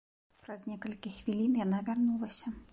Праз некалькі хвілін яна вярнулася.